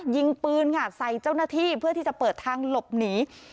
ยิงปืนค่ะใส่เจ้าหน้าที่เพื่อที่จะเปิดทางหลบหนี